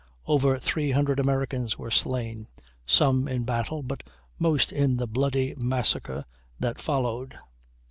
Over 300 Americans were slain, some in battle, but most in the bloody massacre that followed.